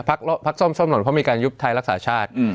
ภักดิ์ส้มส้มหล่นเพราะมีการยุบไทยรักษาชาติ